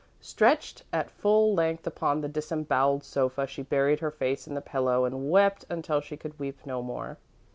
Stretched at full length upon the disembowelled sofa, she buried her face in the pillow and wept until she could weep no more.